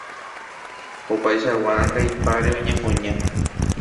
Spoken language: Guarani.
Opaichagua ãngaipáre oñemona.